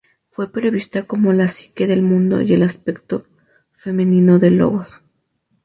Fue prevista como la Psique del mundo y el aspecto femenino del Logos.